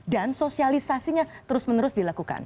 dan sosialisasinya terus menerus dilakukan